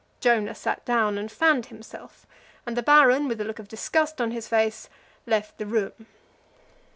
Jonah sat down and fanned himself, and the Baron, with a look of disgust on his face, left the room.